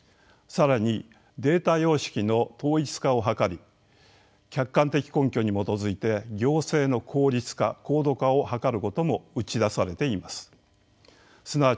更にデータ様式の統一化を図り客観的根拠に基づいて行政の効率化・高度化を図ることも打ち出されています。